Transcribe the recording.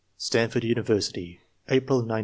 STANFORD UNIVERSITY, April, 1916.